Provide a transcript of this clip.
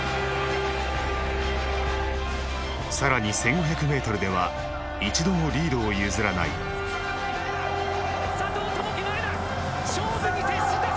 更に１５００ｍでは一度もリードを譲らない佐藤友祈前だ！